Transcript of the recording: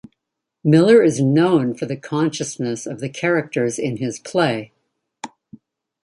Miller is known for the consciousness of the characters in his play.